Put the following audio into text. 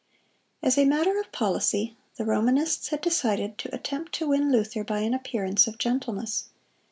As a matter of policy, the Romanists had decided to attempt to win Luther by an appearance of gentleness.